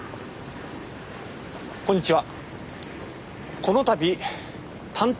こんにちは。